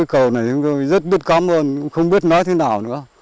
cây cầu này chúng tôi rất biết cảm ơn cũng không biết nói thế nào nữa